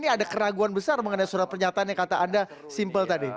ini ada keraguan besar mengenai surat pernyataan yang kata anda simpel tadi